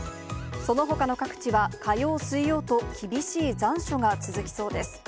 そのほかの各地は、火曜、水曜と厳しい残暑が続きそうです。